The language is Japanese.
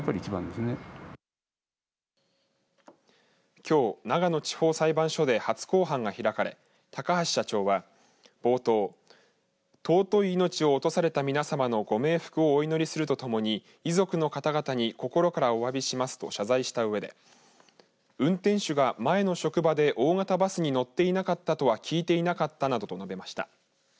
きょう、長野地方裁判所で初公判が開かれ高橋社長は冒頭尊い命を落とされた皆さまのご冥福をお祈りするとともに遺族の方々に心からおわびしますと謝罪したうえで、運転手が前の職場で大型バスに乗っていなかったとは聞いていなかったなどと述べました。